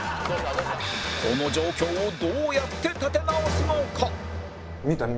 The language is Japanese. この状況をどうやって立て直すのか！？